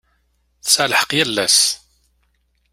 Tesɛa lḥeq yal ass.